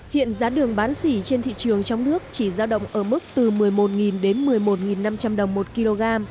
hiện giá đường bán xỉ trên thị trường trong nước chỉ giao động ở mức từ một mươi một đến một mươi một năm trăm linh đồng một kg